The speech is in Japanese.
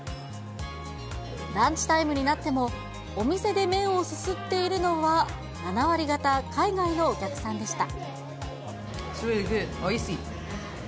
ランチタイムになっても、お店で麺をすすっているのは、７割方、海外のお客さんでした。